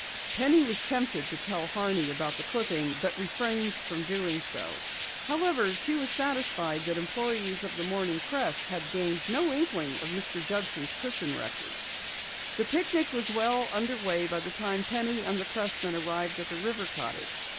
Penny was tempted to tell Horney about the clipping, but refrained from doing so. However, she was satisfied that employes of the Morning Press had gained no inkling of Mr. Judson's prison record. The picnic was well under way by the time Penny and the pressman arrived at the river cottage.